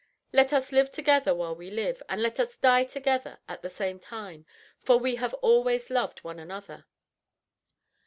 "Let us live together while we live, and let us die together, at the same time, for we have always loved one another."